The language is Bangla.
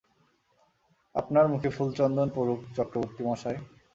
আপনার মুখে ফুলচন্দন পড়ুক চক্রবর্তীমশায়।